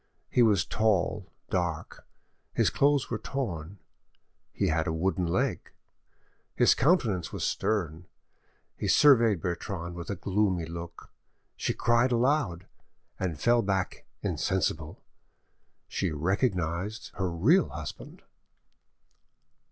He was tall, dark; his clothes were torn; he had a wooden leg; his countenance was stern. He surveyed Bertrande with a gloomy look: she cried aloud, and fell back insensible; ... she recognised her real husband!